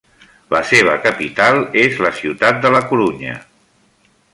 La seva capital és la ciutat de la Corunya.